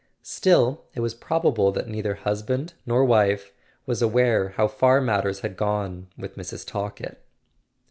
Still, it was probable that neither husband nor wife was aware how far matters had gone with Mrs. Talkett.